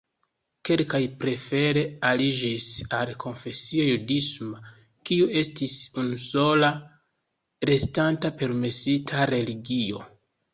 Kelkaj prefere aliĝis al konfesio judisma, kiu estis unusola restanta permesita religio.